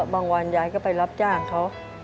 วันยายก็ไปรับจ้างเขา